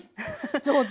上手。